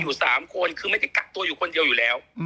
อยู่๓คนคือไม่ได้กักตัวอยู่คนเดียวอยู่แล้ว